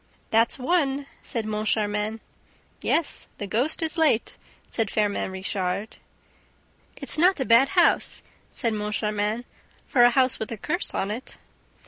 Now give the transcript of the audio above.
"That's one!" said Moncharmin. "Yes, the ghost is late," said Firmin Richard. "It's not a bad house," said Moncharmin, "for 'a house with a curse on it.'"